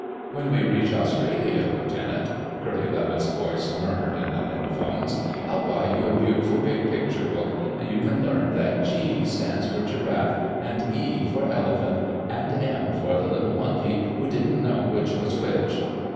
"When we reach Australia, Lieutenant," Curly Levitt's voice murmured in the headphones, "I'll buy you a beautiful, big picture book, and you can learn that G stands for Giraffe, and E for Elephant and M for the little Monkey who didn't know which was which."